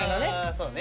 そうね。